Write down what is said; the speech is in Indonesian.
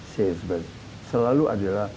salesman selalu adalah